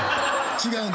違うの？